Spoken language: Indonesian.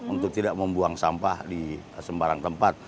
untuk tidak membuang sampah di sembarang tempat